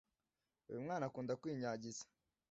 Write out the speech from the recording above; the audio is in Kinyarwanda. Uyumwana akunda kwinyagiza